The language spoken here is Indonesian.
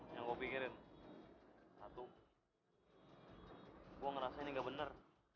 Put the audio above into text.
yang gue pikirin satu gue ngerasa ini gak bener